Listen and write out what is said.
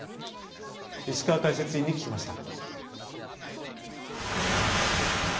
石川解説委員に聞きました。